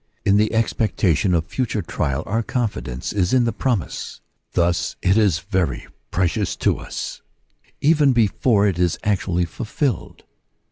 In the expectation of future trial our confidence is in the promise. Thus it is very precious to us even before it is actually fulfilled.